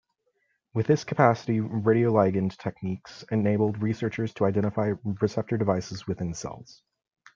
With this capacity radioligand techniques enabled researchers to identify receptor devices within cells.